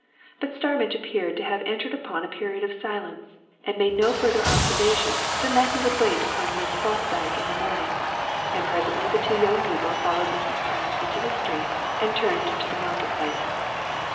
But Starmidge appeared to have entered upon a period of silence, and made no further observation than that he would wait upon Miss Fosdyke in the morning, and presently the two young people followed Mrs. Pratt into the street and turned into the Market Place.